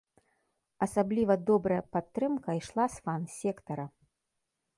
Асабліва добрая падтрымка ішла з фан-сектара.